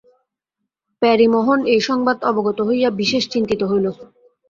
প্যারীমোহন এই সংবাদ অবগত হইয়া বিশেষ চিন্তিত হইল।